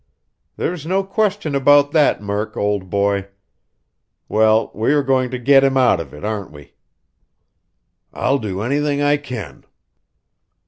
"There's no question about that, Murk, old boy. Well, we are going to get him out of it, aren't we?" "I'll do anything I can."